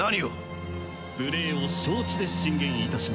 無礼を承知で進言いたします。